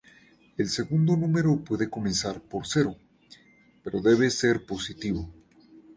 El segundo número puede comenzar por cero, pero debe ser positivo.